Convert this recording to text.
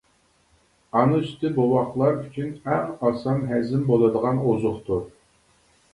ئانا سۈتى بوۋاقلار ئۈچۈن ئەڭ ئاسان ھەزىم بولىدىغان ئوزۇقتۇر.